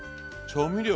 調味料。